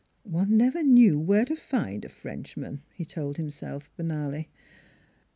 One never knew where to find a Frenchman, he told himself banally.